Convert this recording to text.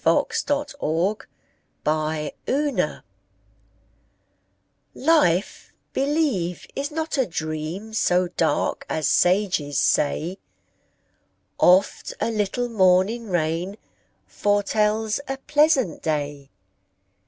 Charlotte Bronte Life LIFE, believe, is not a dream So dark as sages say; Oft a little morning rain Foretells a pleasant day.